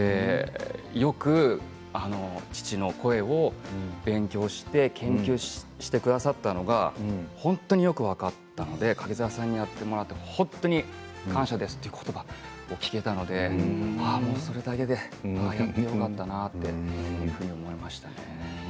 よく父の声を勉強して研究してくださったのが本当に、よく分かったので柿澤さんにやってもらって本当に感謝ですという言葉を聞けたのでそれだけでやってよかったなって思いました。